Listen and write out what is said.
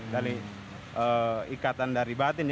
dari ikatan dari batin